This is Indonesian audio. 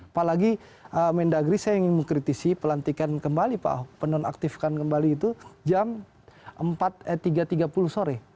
apalagi mendagri saya ingin mengkritisi pelantikan kembali pak ahok penonaktifkan kembali itu jam tiga tiga puluh sore